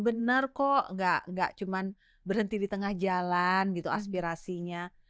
benar kok gak cuma berhenti di tengah jalan gitu aspirasinya